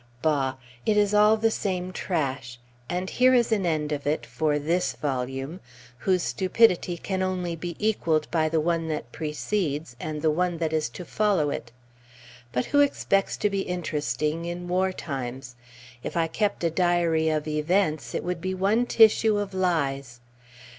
Bah! it is all the same trash! And here is an end of it for this volume, whose stupidity can only be equaled by the one that precedes, and the one that is to follow it. But who expects to be interesting in war times? If I kept a diary of events, it would be one tissue of lies.